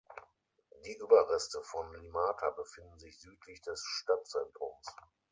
Die Überreste von Limata befinden sich südlich des Stadtzentrums.